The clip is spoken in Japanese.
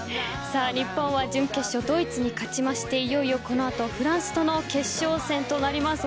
日本は準決勝ドイツに勝ちましていよいよこの後フランスとの決勝戦となります。